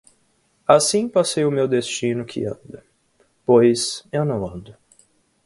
Assim passei o meu destino que anda, pois eu não ando;